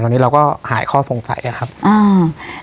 ตอนนี้เราก็หายข้อสงสัยอ่ะครับอ่า